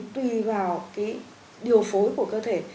cái điều phối của cơ thể